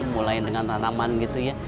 mulai dengan tanaman gitu ya